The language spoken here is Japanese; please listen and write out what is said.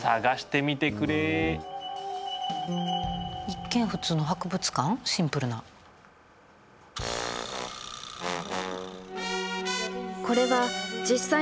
一見普通の博物館シンプルな。は鳥肌。